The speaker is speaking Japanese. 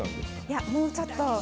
いや、もうちょっと。